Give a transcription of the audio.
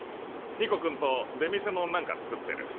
ニコ君と出店の何か作ってる。